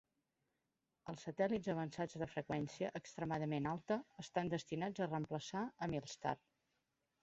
Els satèl·lits avançats de freqüència extremadament alta estan destinats a reemplaçar a Milstar.